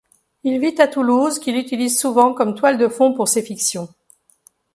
Il vit à Toulouse qu’il utilise souvent comme toile de fond pour ses fictions.